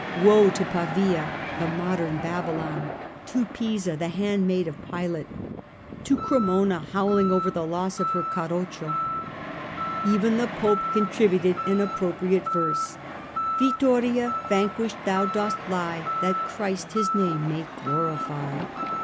Woe to Pavia, the modern Babylon; to Pisa, the handmaid of Pilate ; to Cremona, howling over the loss of her Carroccio. Even the Pope con tributed an appropriate verse :" Vittoria, vanquished thou dost lie, That Christ His name may glorify